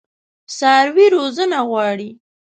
څاروي روزنه غواړي.